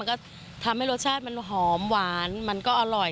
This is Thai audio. ก็ทำให้รสชาติมันหอมหวานมันก็อร่อย